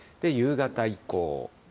夕方以降。